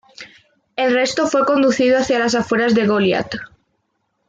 El resto fue conducido hacia las afueras de Goliad.